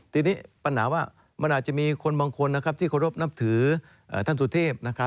ทีนี้ปัญหาว่ามันอาจจะมีคนบางคนที่เคารพนับถือท่านสุเทพ